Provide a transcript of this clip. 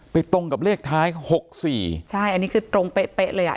ไปตรงกับเลขท้าย๖๔ใช่อันนี้คือตรงเป๊ะเลย